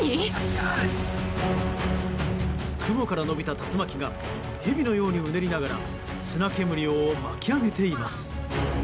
雲から延びた竜巻が蛇のようにうねりながら砂煙を巻き上げています。